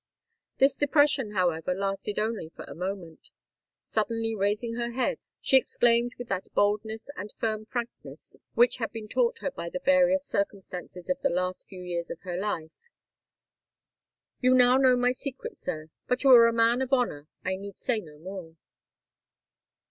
This depression, however, lasted only for a moment. Suddenly raising her head, she exclaimed with that boldness and firm frankness which had been taught her by the various circumstances of the last few years of her life, "You now know my secret, sir: but you are a man of honour. I need say no more."